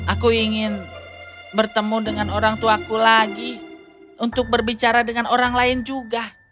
aku ingin bertemu dengan orang tuaku lagi untuk berbicara dengan orang lain juga